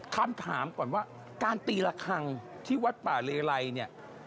คำถามก่อนว่าการตีละครั้งที่วัดป่าเลไลเนี่ย